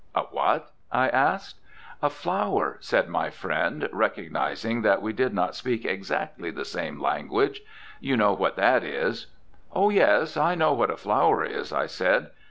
"A what?" I asked. "A flower," said my friend, recognising that we did not speak exactly the same language. "You know what that is?" "Oh, yes. I know what a flower is," I said.